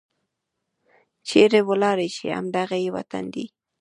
چيرې ولاړې شي؟ همد غه یې وطن دی